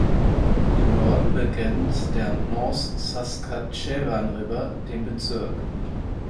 Im Norden begrenzt der North Saskatchewan River den Bezirk.